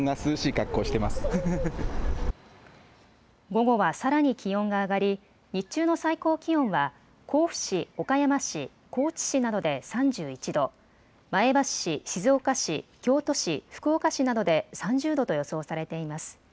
午後はさらに気温が上がり日中の最高気温は甲府市、岡山市、高知市などで３１度、前橋市、静岡市、京都市、福岡市などで３０度と予想されています。